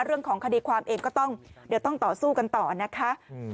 เรื่องของคดีความเองก็ต้องเดี๋ยวต้องต่อสู้กันต่อนะคะ